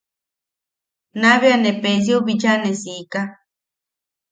Naa bea ne Peesiou bicha ne siika.